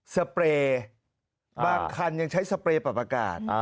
เปรย์บางคันยังใช้สเปรย์ปรับอากาศ